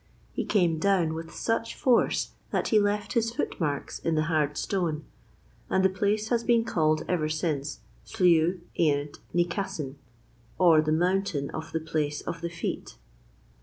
He came down with such force that he left his footmarks in the hard stone, and the place has been called ever since, Slieu ynnyd ny Cassyn, or the Mountain of the place of the Feet.